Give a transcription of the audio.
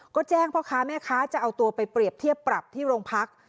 ก็แจ้งพ่อค้าแม่ค้าจะเอาตัวไปเปรียบเทียบปรับที่โรงพัก